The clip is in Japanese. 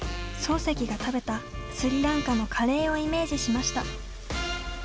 漱石が食べたスリランカのカレーをイメージしました。